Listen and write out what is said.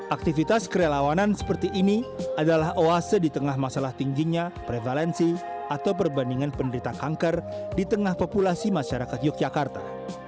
aktivitas kerelawanan seperti ini adalah oase di tengah masalah tingginya prevalensi atau perbandingan penderita kanker di tengah populasi masyarakat yogyakarta